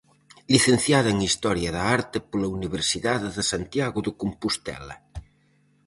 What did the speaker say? Licenciada en Historia da Arte pola Universidade de Santiago de Compostela.